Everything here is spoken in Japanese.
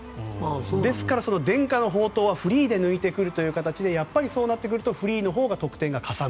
ですから、伝家の宝刀はフリーで抜いてくるという形でそうなるとフリーのほうが得点はかさむ。